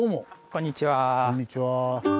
こんにちは。